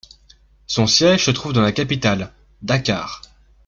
Son siège se trouve dans la capitale, Dakar.